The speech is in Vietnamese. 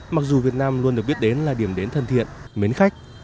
mặc dù việt nam luôn được biết đến là điểm đến thân thiện mến khách